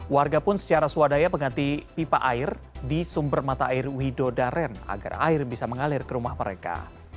warga pun secara swadaya pengganti pipa air di sumber mata air widodaren agar air bisa mengalir ke rumah mereka